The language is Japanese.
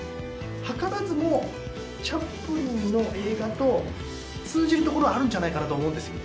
図らずもチャップリンの映画と通じるところ、あるんじゃないかなと思うんですね。